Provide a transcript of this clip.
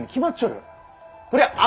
こりゃあ